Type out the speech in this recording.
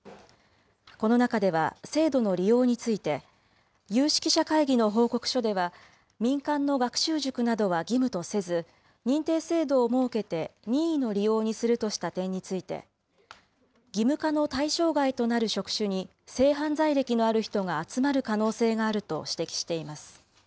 この中では制度の利用について、有識者会議の報告書では、民間の学習塾などは義務とせず、認定制度を設けて任意の利用にするとした点について、義務化の対象外となる職種に性犯罪歴のある人が集まる可能性があると指摘しています。